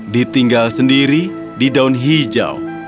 ditinggal sendiri di daun hijau